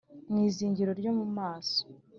mu izingiro ryo mu maso